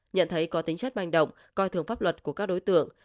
nhận thấy có tính chất manh động coi thường pháp luật của các đối tượng